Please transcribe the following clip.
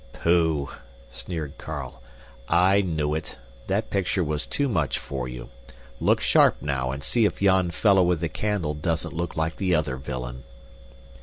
"Pooh!" sneered Carl, "I knew it. That picture was too much for you. Look sharp now, and see if yon fellow with the candle doesn't look like the other villain."